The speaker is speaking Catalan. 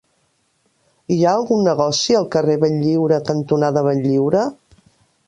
Hi ha algun negoci al carrer Benlliure cantonada Benlliure?